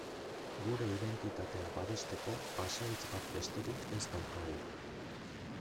Gure identitatea babesteko pasahitz bat besterik ez daukagu.